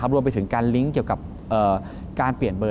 รวมไปถึงการลิงก์เกี่ยวกับการเปลี่ยนเบอร์